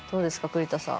栗田さん。